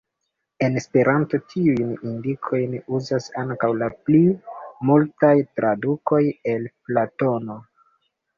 En Esperanto tiujn indikojn uzas ankaŭ la pli multaj tradukoj el Platono.